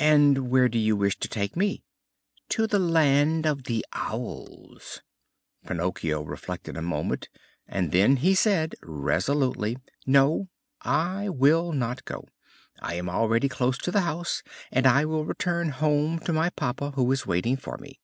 "And where do you wish to take me?" "To the land of the Owls." Pinocchio reflected a moment, and then he said resolutely: "No, I will not go. I am already close to the house, and I will return home to my papa, who is waiting for me.